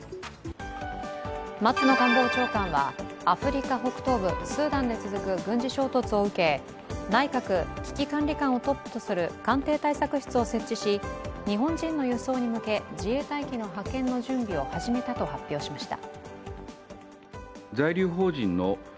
松野官房長官はアフリカ北東部スーダンで続く軍事衝突を受け内閣危機管理監をトップとする官邸対策室を設置し日本人の輸送に向け、自衛隊機の派遣の準備を始めたと発表しました。